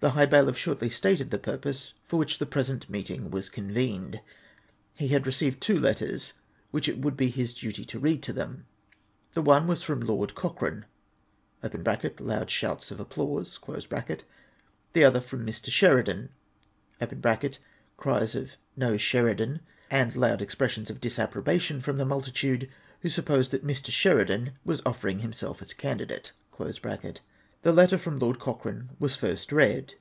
The high bailiff shortly stated the purpose for wliich the present meeting was convened. He had received two letters, which it would be his duty to read to them. The one was from Lord Cochrane {loud shouts of applause), the other from jNIr. Sheridan (cries of "iYo Sheridan !'' and loud ex pressions of disapprobation from the multitude who supposed that Mr. Sheridan was offering himself as a candidate). The letter from Lord Cochrane Avas first read.